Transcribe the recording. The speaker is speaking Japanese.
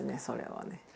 それはね。